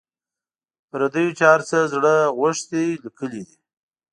پردیو چي هر څه زړه غوښتي لیکلي دي.